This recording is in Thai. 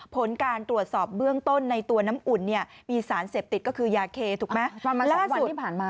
ผลการตรวจสอบเบื้องต้นในตัวน้ำอุ่นเนี่ยมีสารเสพติดก็คือยาเคถูกไหม